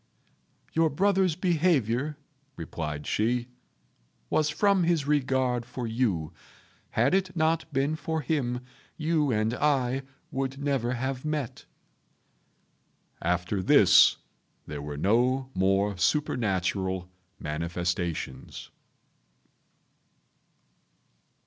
"Your brother's behaviour," replied she, "was from his regard for you. Had it not been for him, you and I would never have met." After this there were no more supernatural manifestations.